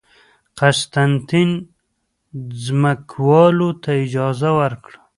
قسطنطین ځمکوالو ته اجازه ورکړه